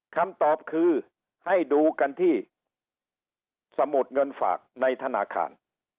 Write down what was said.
คำตอบคือให้ดูกันที่สมุดเงินฝากในธนาคาร